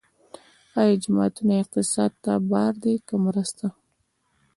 آیا جوماتونه اقتصاد ته بار دي که مرسته؟